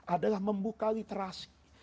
adalah membuka literasi